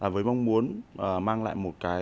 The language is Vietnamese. với mong muốn mang lại một cái